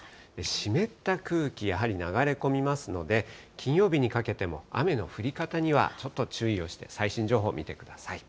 湿った空気、やはり流れ込みますので、金曜日にかけても雨の降り方にはちょっと注意をして、最新情報見てください。